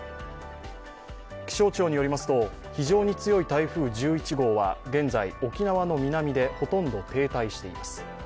気象庁によりますと非常に強い台風１１号は現在、沖縄の南でほとんど停滞しています。